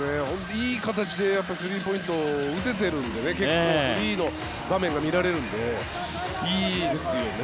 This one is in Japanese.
いい形でスリーポイントを打てているので結構フリーの場面が見られるのでいいですよね。